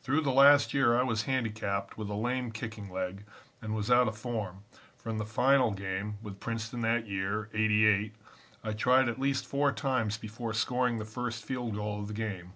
"Through the last year I was handicapped with a lame kicking leg and was out of form, for in the final game with Princeton that year, '88, I tried at least four times before scoring the first field goal of the game.